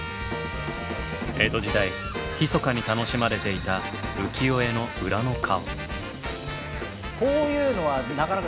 江戸時代ひそかに楽しまれていた浮世絵の裏の顔。